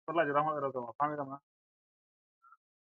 An kaa lop tan a mba go yoo tani oloɗi.